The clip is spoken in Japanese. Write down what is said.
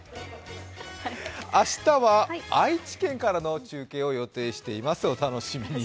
明日は愛知県からの中継を予定しています。